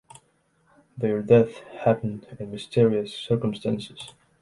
Their death happened in mysterious circumstances.